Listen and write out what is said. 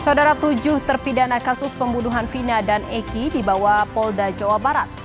saudara tujuh terpidana kasus pembunuhan vina dan eki dibawa polda jawa barat